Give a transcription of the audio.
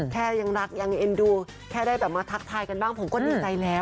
แค่ยังรักยังเอ็นดูแค่ได้แบบมาทักทายกันบ้างผมก็ดีใจแล้ว